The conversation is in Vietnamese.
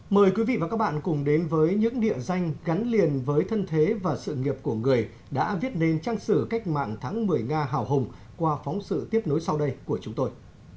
mời quý vị và các bạn cùng đến với những địa danh gắn liền với thân thế và sự nghiệp của người đã viết nên trang sử cách mạng tháng một mươi nga hào hùng qua phóng sự tiếp nối sau đây của chúng tôi